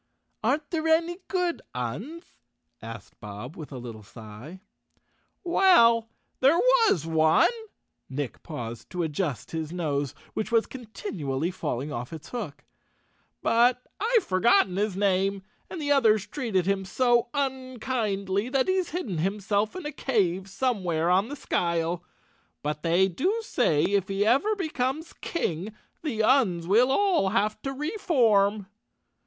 "Aren't there any good Uns?" asked Bob with a lit¬ tle sigh. " Well, there was one," Nick paused to adjust his nose, which was continually falling off its hook, "but I've forgotten his name, and the others treated him so un¬ kindly that he's hidden himself in a cave somewhere on the skyle. But they do say if he ever becomes king, the Uns will all have to reform."